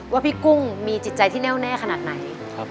ว่าพี่กุ้งมีจิตใจที่แน่วแน่ขนาดไหน